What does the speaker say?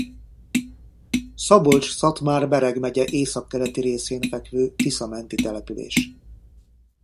Szabolcs-Szatmár-Bereg megye északkeleti részén fekvő Tisza-menti település.